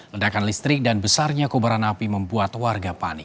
ledakan listrik dan besarnya kobaran api membuat warga panik